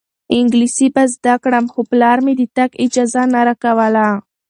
انګلیسي به زده کړم خو پلار مې د تګ اجازه نه راکوله.